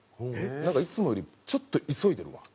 「なんかいつもよりちょっと急いでるわ」